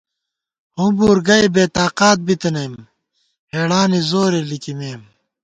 ہُومبُور گئ بےتاقات بِتنَئیم، ہېڑانی زورے لِکِمېم